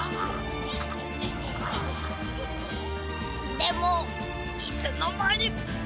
でもいつのまに。